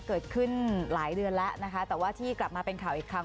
เกิดขึ้นหลายเดือนแล้วนะคะแต่ว่าที่กลับมาเป็นข่าวอีกครั้ง